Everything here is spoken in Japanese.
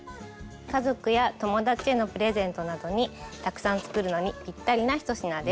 家族や友達へのプレゼントなどにたくさんつくるのにぴったりな一品です。